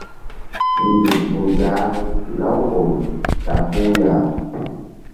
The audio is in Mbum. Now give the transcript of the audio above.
Nzuk vul gahru Laouɓol ta puh ya.